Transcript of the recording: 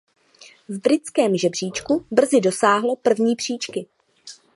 V britském žebříčku brzy dosáhlo první příčky.